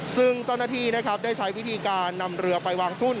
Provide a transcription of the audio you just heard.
ซึ่งเจ้าหน้าที่นะครับได้ใช้วิธีการนำเรือไปวางทุน